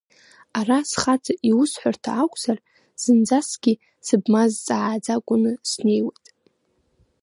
Ара схаҵа иусҳәарҭа акәзар, зынӡаскгьы сыбмазҵааӡакәаны снеиуеит.